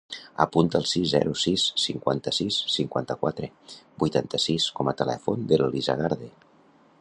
Apunta el sis, zero, sis, cinquanta-sis, cinquanta-quatre, vuitanta-sis com a telèfon de l'Elisa Garde.